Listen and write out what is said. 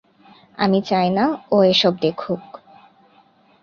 আমি চাইনা ও এসব দেখুক।